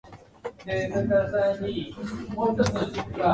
King Sejong himself is credited with a compilation of Buddhist songs.